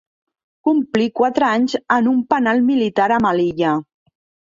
Complí quatre anys en un penal militar a Melilla.